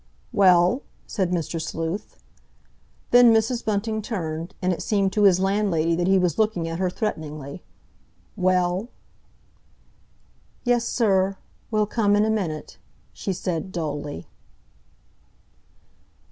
"Well?" said Mr. Sleuth. Then Mrs. Bunting turned, and it seemed to his landlady that he was looking at her threateningly. "Well?" "Yes, sir. We'll come in a minute," she said dully.